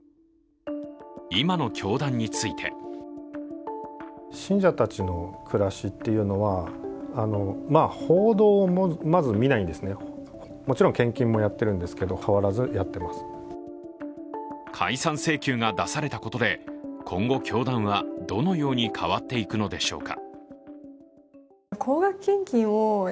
今の教団について解散請求が出されたことで今後、教団はどのように変わっていくのでしょうか。